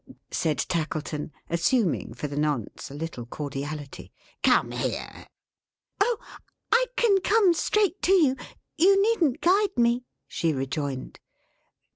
said Tackleton, assuming, for the nonce, a little cordiality. "Come here." "Oh! I can come straight to you! You needn't guide me!" she rejoined.